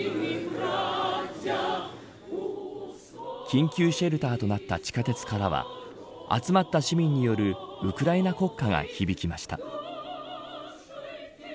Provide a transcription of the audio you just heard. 緊急シェルターとなった地下鉄からは集まった市民によるウクライナ国歌が響きました。